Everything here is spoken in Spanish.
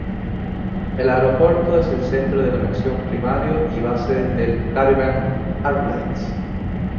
El aeropuerto es el centro de conexión primario y base de Caribbean Airlines.